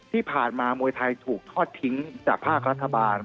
ที่ผ่านมามวยไทยถูกทอดทิ้งจากภาครัฐบาล